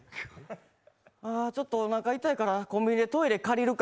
あー、ちょっとおなか痛いからコンビニでトイレ借りるか。